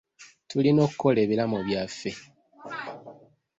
Tulina okukola ebiraamo byaffe.